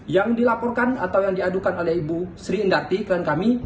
yang dilaporkan atau yang diadukan oleh ibu sri indarti klien kami